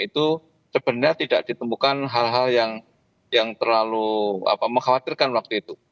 itu sebenarnya tidak ditemukan hal hal yang terlalu mengkhawatirkan waktu itu